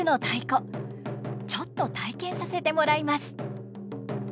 ちょっと体験させてもらいます。